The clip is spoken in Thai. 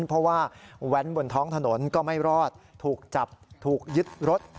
เพราะว่าแว้นบนท้องถนนก็ไม่รอดถูกจับถูกยึดรถ